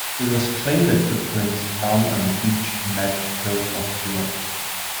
It was claimed the footprints found on the beach matched those of Stuart.